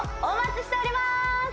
お待ちしております